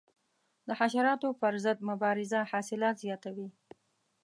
د حشراتو پر ضد مبارزه حاصلات زیاتوي.